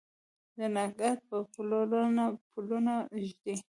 د نګهت پر پلونو پلونه ږدي